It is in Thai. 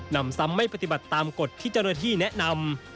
นำซ้ำไม่ปฏิบัติตามกฎที่เจ้าหน้าที่แนะนำ